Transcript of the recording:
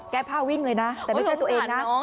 แก้ผ้าวิ่งเลยนะแต่ไม่ใช่ตัวเองนะ